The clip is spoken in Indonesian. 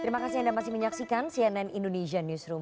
terima kasih anda masih menyaksikan cnn indonesia newsroom